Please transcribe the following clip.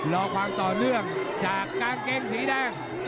รอความต่อเนื่องจากกางเกงสีแดง